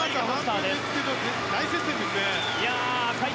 大接戦ですね。